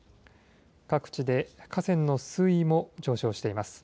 各地で河川の水位も上昇しています。